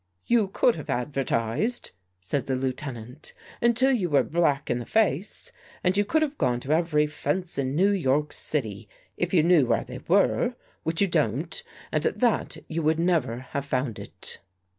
" You could have advertised," said the Lieuten ant, " until you were black in the face, and you could have gone to every fence in New York City, if you knew where they were, which you don't, and at that you would never have found it."